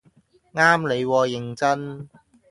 啱你喎認真